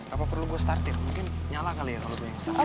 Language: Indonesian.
apa perlu gue startir mungkin nyala kali ya kalau gue yang startir